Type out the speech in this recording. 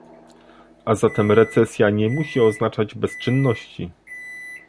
A zatem recesja nie musi oznaczać bezczynności